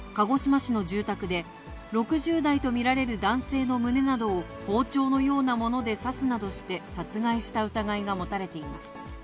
警察によりますと小野容疑者はきのう、鹿児島市の住宅で６０代と見られる男性の胸などを包丁のようなもので刺すなどして、殺害した疑いが持たれています。